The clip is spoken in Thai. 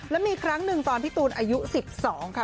แล้วมีครั้งหนึ่งตอนพี่ตูนอายุ๑๒ค่ะ